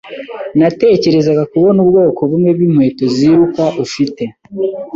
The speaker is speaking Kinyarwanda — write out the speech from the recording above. Natekerezaga kubona ubwoko bumwe bwinkweto ziruka ufite.